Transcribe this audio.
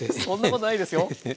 そんなことないですよ。